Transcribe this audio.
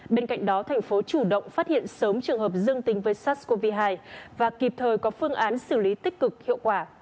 bên cạnh đó thành phố chủ động phát hiện sớm trường hợp dương tính với sars cov hai và kịp thời có phương án xử lý tích cực hiệu quả